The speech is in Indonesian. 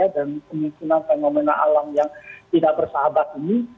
dan kemungkinan fenomena alam yang tidak bersahabat ini